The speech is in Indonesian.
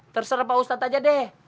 terserah pak ustadz aja deh